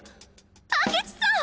明智さん！